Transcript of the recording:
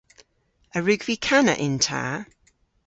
A wrug vy kana yn ta?